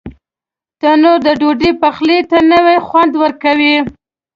تنور د ډوډۍ پخلي ته نوی خوند ورکوي